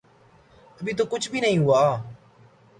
ابھی تو کچھ بھی نہیں ہوا۔